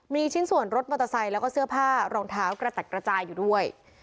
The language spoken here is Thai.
มีชิ้นส่วนรถมอเตอร์ไซค์แล้วก็เสื้อผ้ารองเท้ากระจัดกระจายอยู่ด้วย